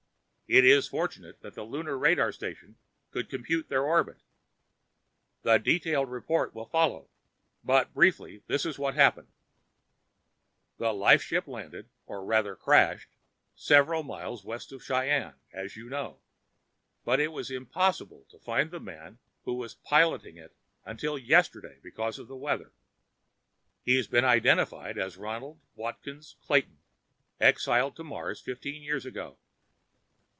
It is fortunate that the Lunar radar stations could compute their orbit. The detailed official report will follow, but briefly, this is what happened: The lifeship landed—or, rather, crashed—several miles west of Cheyenne, as you know, but it was impossible to find the man who was piloting it until yesterday because of the weather. He has been identified as Ronald Watkins Clayton, exiled to Mars fifteen years ago.